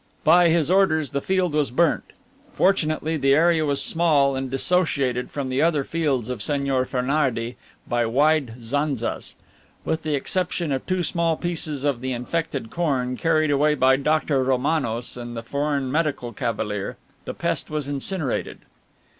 By his orders the field was burnt. Fortunately, the area was small and dissociated from the other fields of Señor Fernardey by wide zanzas. With the exception of two small pieces of the infected corn, carried away by Dr. Romanos and the foreign medical cavalier, the pest was incinerated.'"